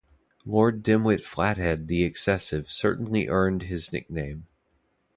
Lord Dimwit Flathead the Excessive certainly earned his nickname.